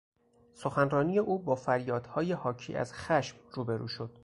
سخنرانی او با فریادهای حاکی از خشم روبرو شد.